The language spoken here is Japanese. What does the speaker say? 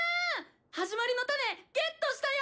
『始まりのタネ』ゲットしたよ！」。